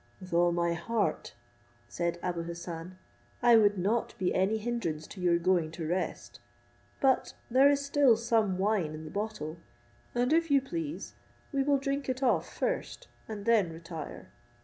"With all my heart," said Abou Hassan; "I would not be any hindrance to your going to rest; but there is still some wine in the bottle, and if you please we will drink it off first, and then retire.